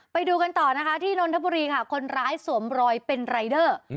ไปดูกันต่อนะคะที่นนทบุรีค่ะคนร้ายสวมรอยเป็นรายเดอร์